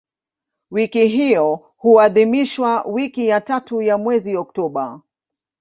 Wiki hiyo huadhimishwa wiki ya tatu ya mwezi Oktoba.